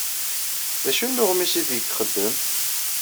D acu n uɣmis aydeg txeddem?